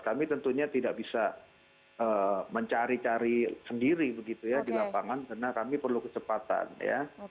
kami tentunya tidak bisa mencari cari sendiri begitu ya di lapangan karena kami perlu kecepatan ya